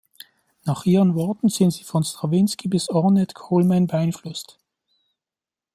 Nach ihren Worten sind sie von Strawinski bis Ornette Coleman beeinflusst.